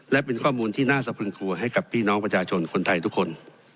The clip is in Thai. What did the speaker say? และเป็นข้อมูลที่น่าสะพึงกลัวให้กับพี่น้องประชาชนคนไทยทุกคน